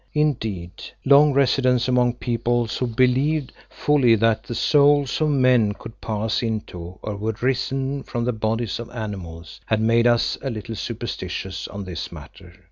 Indeed, long residence among peoples who believed fully that the souls of men could pass into, or were risen from, the bodies of animals, had made us a little superstitious on this matter.